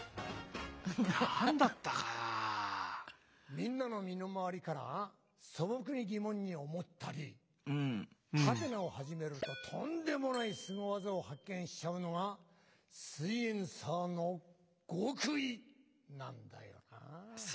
みんなの身の回りから素朴に疑問に思ったりハテナを始めるととんでもないスゴ技を発見しちゃうのが「すイエんサー」の極意なんだよなぁ。